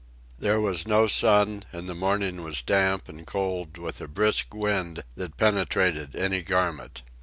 There was no sun, and the morning was damp and cold with a brisk wind that penetrated any garment.